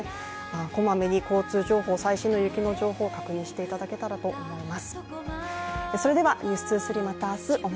こまめに交通情報、最新の雪の情報を確認していただければと思います。